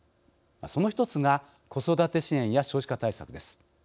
その１つが子育て支援や少子化対策です。